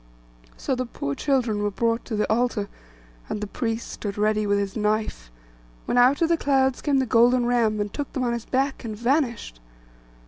So the poor children were brought to the altar, and the priest stood ready with his knife, when out of the clouds came the Golden Ram, and took them on his back, and vanished.